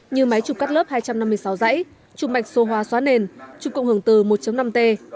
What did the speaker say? như máy chụp cắt lớp hai trăm năm mươi sáu dãy chụp mạch xô hóa xóa nền chụp cộng hưởng từ một năm t